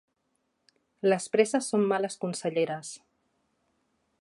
Les presses són males conselleres.